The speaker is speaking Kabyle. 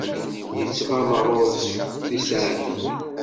Yettɣama ɣur-s tisaɛtin.